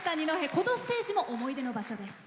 このステージも思い出の場所です。